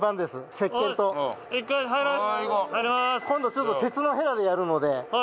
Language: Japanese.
今度ちょっと鉄のへらでやるので。